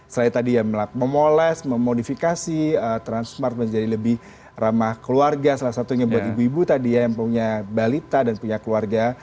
selain tadi ya memoles memodifikasi transmart menjadi lebih ramah keluarga salah satunya buat ibu ibu tadi ya yang punya balita dan punya keluarga